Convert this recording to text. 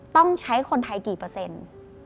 ต้องใช้คนไทยกี่เปอร์เซ็นต์